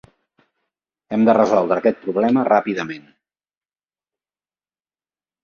Hem de resoldre aquest problema ràpidament.